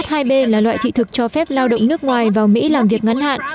h hai b là loại thị thực cho phép lao động nước ngoài vào mỹ làm việc ngắn hạn